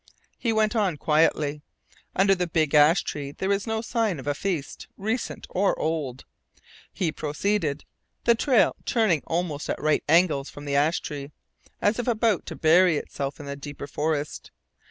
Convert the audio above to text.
He went on quietly. Under the big ash tree there was no sign of a feast, recent or old. He proceeded, the trail turning almost at right angles from the ash tree, as if about to bury itself in the deeper forest.